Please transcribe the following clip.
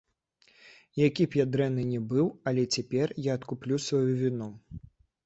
Які б я дрэнны ні быў, але цяпер я адкуплю сваю віну.